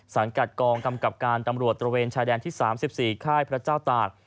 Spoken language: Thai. สังกัดกองกำกับการตำรวจตระเวนชายแดนที่๓๔ค่ายพระเจ้าตาก